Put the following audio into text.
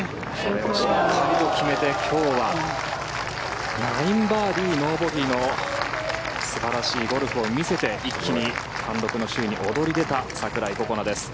しっかりと決めて今日は９バーディーノーボギーの素晴らしいゴルフを見せて一気に単独の首位に躍り出た櫻井心那です。